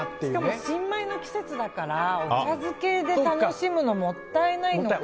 しかも新米の季節だからお茶漬けで楽しむのもったいないのかな。